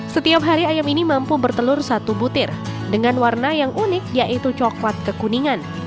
setiap hari ayam ini mampu bertelur satu butir dengan warna yang unik yaitu coklat kekuningan